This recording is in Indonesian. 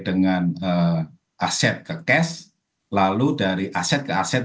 dengan aset ke cash lalu dari aset ke aset